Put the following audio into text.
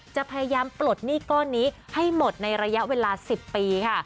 จะพยายามปลดหนี้ก้อนนี้ให้หมดในระยะเวลา๑๐ปีค่ะ